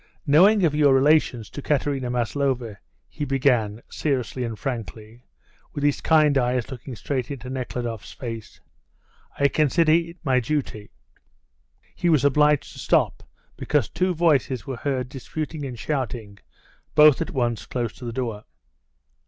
"Knowing of your relations to Katerina Maslova," he began seriously and frankly, with his kind eyes looking straight into Nekhludoff's face, "I consider it my duty" He was obliged to stop because two voices were heard disputing and shouting, both at once, close to the door.